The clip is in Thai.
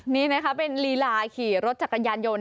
นี่เป็นฬีราขี่รถจักรยานยนต์